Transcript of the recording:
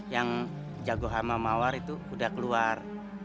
yang jago hama mawar itu udah keluar